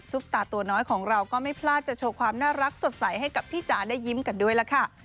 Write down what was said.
ตาตัวน้อยของเราก็ไม่พลาดจะโชว์ความน่ารักสดใสให้กับพี่จ๋าได้ยิ้มกันด้วยล่ะค่ะ